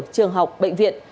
trường học bệnh viện